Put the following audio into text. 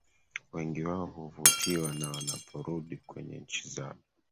wengi wao huvutiwa na wanaporudi kwenye nchi zao